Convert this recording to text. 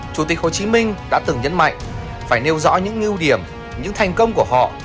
chủ tịch hồ chí minh đã từng nhấn mạnh phải nêu rõ những ưu điểm những thành công của họ